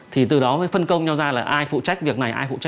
thì từ đó mới phân công nhau ra là ai phụ trách